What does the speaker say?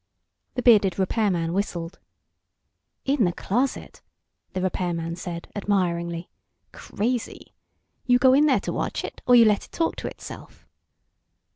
The bearded repairman whistled. "In the closet," the repairman said, admiringly. "Crazy. You go in there to watch it, or you let it talk to itself?"